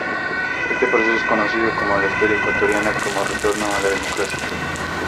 Este proceso es conocido en la historia ecuatoriana como "Retorno a la Democracia".